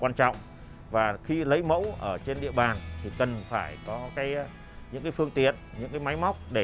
lớn và khi lấy mẫu ở trên địa bàn thì cần phải có cái những cái phương tiện những cái máy móc để